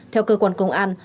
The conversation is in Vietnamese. theo cơ quan công an